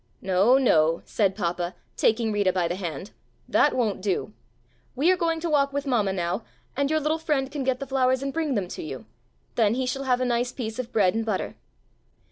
"No, no," said papa, taking Rita by the hand, "that won't do. We are going to walk with mamma now, and your little friend can get the flowers and bring them to you, then he shall have a nice piece of bread and butter."